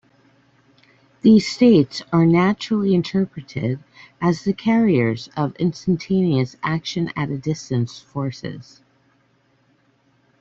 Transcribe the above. These states are naturally interpreted as the carriers of instantaneous action-at-a-distance forces.